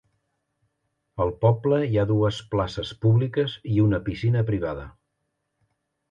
Al poble hi ha dues places públiques i una piscina privada.